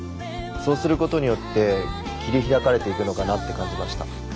そうすることによって切り開かれていくのかなって感じました。